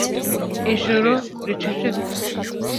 Ijoro ricecetse